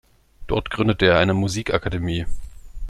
Dort gründete er eine Musikakademie.